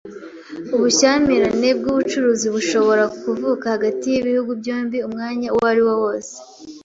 Ubushyamirane bw’ubucuruzi bushobora kuvuka hagati y’ibihugu byombi umwanya uwariwo wose